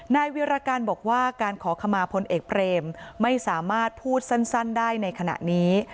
นายวิรการบอกว่าการขอขมาพลเอกเบรมไม่สามารถพูดสั้นได้ในขณะนี้